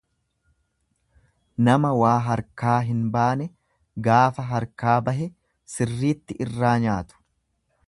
Nama waa harkaa hin baane gaafa harkaa bahe sirriitti irraa nyaatu.